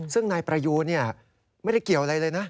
ซึ่งนายประยูนไม่ได้เกี่ยวอะไรเลยนะ